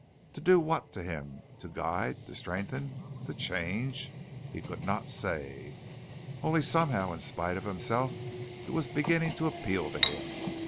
To do what to him? To guide? To strengthen? To change? He could not say. Only, somehow, in spite of himself, it was beginning to appeal to him.